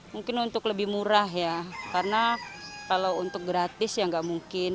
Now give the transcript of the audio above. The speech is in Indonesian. mungkin untuk lebih murah ya karena kalau untuk gratis ya nggak mungkin